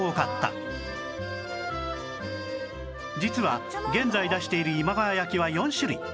実は現在出している今川焼は４種類